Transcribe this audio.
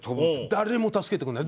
誰も助けてくれない。